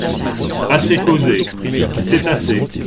Assez causé ! c’est assez !